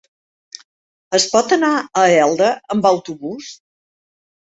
Es pot anar a Elda amb autobús?